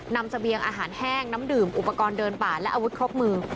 เสบียงอาหารแห้งน้ำดื่มอุปกรณ์เดินป่าและอาวุธครบมือ